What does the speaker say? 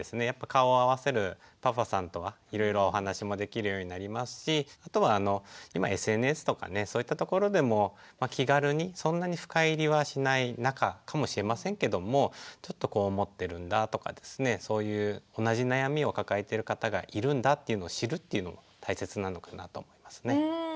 やっぱり顔を合わせるパパさんとはいろいろお話もできるようになりますしあとは今ＳＮＳとかねそういったところでも気軽にそんなに深入りはしない仲かもしれませんけども「ちょっとこう思ってるんだ」とかですねそういう同じ悩みを抱えてる方がいるんだっていうのを知るっていうのも大切なのかなと思いますね。